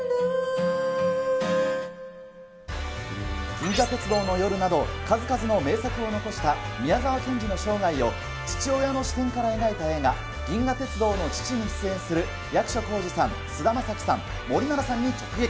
銀河鉄道の夜など、数々の名作を残した宮沢賢治の生涯を父親の視点から描いた映画、銀河鉄道の父に出演する役所広司さん、菅田将暉さん、森七菜さんに直撃。